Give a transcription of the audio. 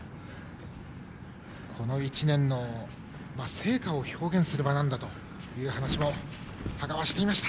この１年の成果を表現する場なんだという話も羽賀はしていました。